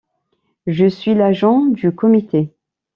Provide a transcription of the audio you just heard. Je suis l’agent du comité.